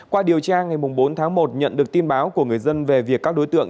qua điều tra ngày bốn tháng một nhận được tin báo của người dân về việc các đối tượng